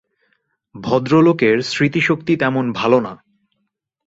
ভদ্রলোকের স্মৃতিশক্তি তেমন ভালো না।